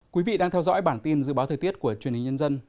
quý vị đang theo dõi bản tin dự báo thời tiết của truyền hình nhân dân